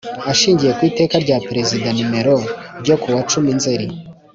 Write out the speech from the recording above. Ashingiye ku iteka rya Perezida nimero ryo ku wa cumi nzeri